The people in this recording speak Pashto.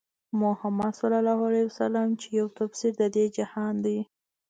محمدص چې يو تفسير د دې جهان دی